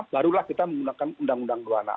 barulah kita menggunakan undang undang dua puluh enam